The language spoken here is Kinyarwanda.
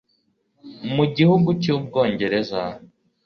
mu gihugu cy'ubwongereza